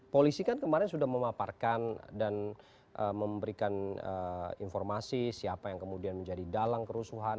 polisi kan kemarin sudah memaparkan dan memberikan informasi siapa yang kemudian menjadi dalang kerusuhan